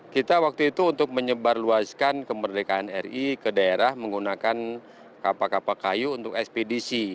kita waktu itu untuk menyebarluaskan kemerdekaan ri ke daerah menggunakan kapal kapal kayu untuk ekspedisi